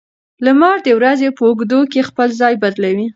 لمر د ورځې په اوږدو کې خپل ځای بدلوي.